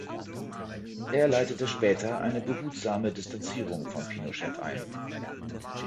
Er leitete später eine behutsame Distanzierung von Pinochet ein.